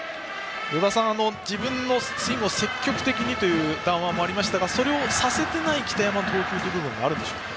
与田さん、自分のスイングを積極的にという談話もありましたがそれをさせていない北山の投球という部分もあるんでしょうか。